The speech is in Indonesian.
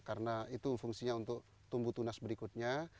karena itu fungsinya untuk tumbuh tunas berikutnya